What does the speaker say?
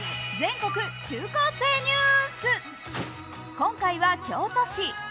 今回は京都市。